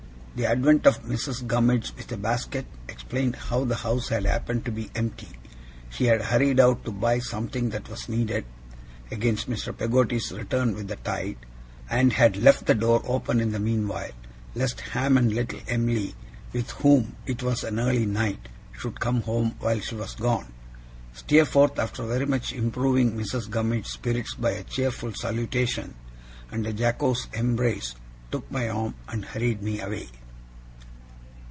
The advent of Mrs. Gummidge with a basket, explained how the house had happened to be empty. She had hurried out to buy something that was needed, against Mr. Peggotty's return with the tide; and had left the door open in the meanwhile, lest Ham and little Em'ly, with whom it was an early night, should come home while she was gone. Steerforth, after very much improving Mrs. Gummidge's spirits by a cheerful salutation and a jocose embrace, took my arm, and hurried me away.